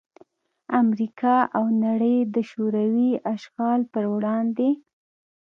امریکا او نړۍ دشوروي اشغال پر وړاندې